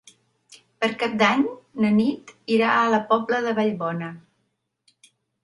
Per Cap d'Any na Nit irà a la Pobla de Vallbona.